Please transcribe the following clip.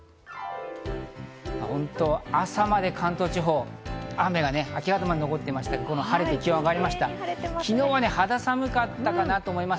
朝まで関東地方、明け方まで雨が残っていましたが、晴れて気温が上がっています。